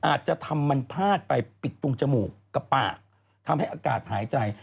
อาจจะทำมันพลาดไปปิดตรงจมูกกับปากทำให้อากาศหายใจ